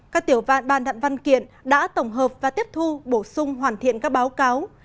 các tiểu văn bàn đặn văn kiện đã tổng hợp và tiếp thu bổ sung hoàn thiện các báo cáo